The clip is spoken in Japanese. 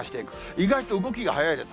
意外と動きがはやいです。